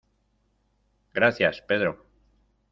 Gracias, Pedro.